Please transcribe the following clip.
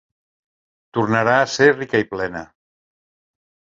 Tornarà a ser rica i plena.